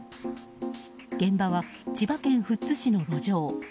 現場は千葉県君津市の路上。